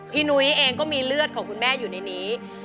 นุ้ยเองก็มีเลือดของคุณแม่อยู่ในนี้